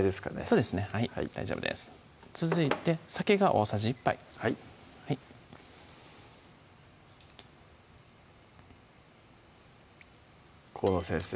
そうですねはい大丈夫です続いて酒が大さじ１杯はい河野先生